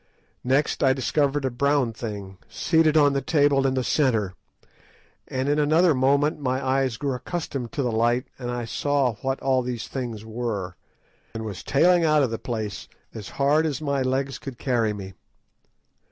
Next I discovered a brown thing, seated on the table in the centre, and in another moment my eyes grew accustomed to the light, and I saw what all these things were, and was tailing out of the place as hard as my legs could carry me.